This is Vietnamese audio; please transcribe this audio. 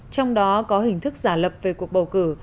trong đó có hình thức giả lập về cuộc bầu cử